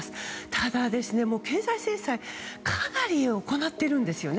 ただ、経済制裁かなり行ってるんですよね